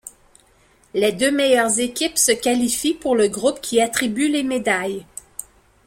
Les deux meilleurs équipes se qualifient pour le groupe qui attribue les médailles.